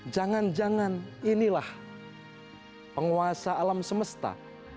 jangan jangan inilah penguasa alam semesta